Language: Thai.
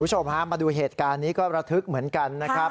คุณผู้ชมฮะมาดูเหตุการณ์นี้ก็ระทึกเหมือนกันนะครับ